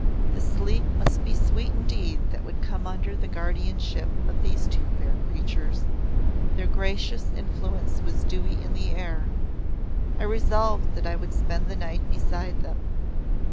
The sleep must be sweet indeed that would come under the guardianship of these two fair creatures their gracious influence was dewy in the air. I resolved that I would spend the night beside them.